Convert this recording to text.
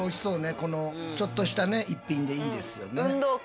このちょっとした一品でいいですよね。